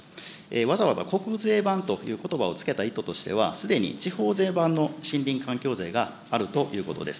わざわざ国税版ということばをつけた意図としてはすでに地方税版の森林環境税があるということです。